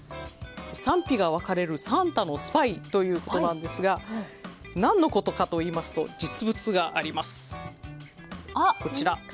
賛否が分かれるサンタのスパイということなんですが何のことかというと実物がこちら。